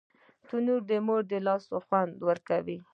تنور د مور د لاس خوند ورکوي